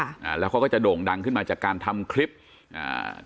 อ่าแล้วเขาก็จะโด่งดังขึ้นมาจากการทำคลิปอ่า